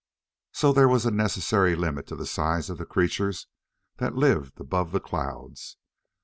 So there was a necessary limit to the size of the creatures that lived above the clouds.